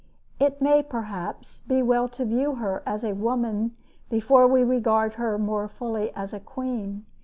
It may, perhaps, be well to view her as a woman before we regard her more fully as a queen.